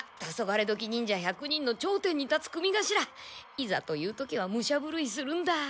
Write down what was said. いざという時は武者ぶるいするんだ。